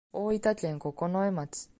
大分県九重町